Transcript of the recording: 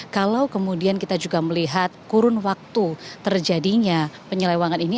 kalau kemudian kita juga melihat kurun waktu terjadinya penyelewangan ini